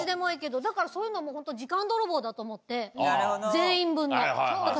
だからそういうのもホント。だと思って全員分の。